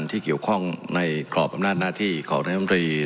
ที่เกี่ยวข้องในกรอบปำหน้าหน้าที่ของท่านอำนาจมนตรี